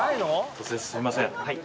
突然すいません。